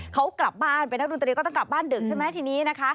เขากลับบ้านเป็นนักดนตรีก็ต้องกลับบ้านดึกใช่ไหมทีนี้นะคะ